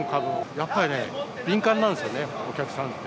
やっぱりね、敏感なんですよね、お客さんって。